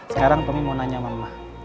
sekarang kami mau nanya mama